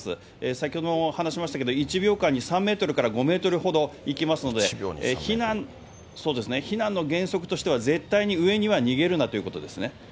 先ほども話しましたけど、１秒間に３メートルから５メートルほどいきますので、避難の原則としては、絶対に上には逃げるなということですね。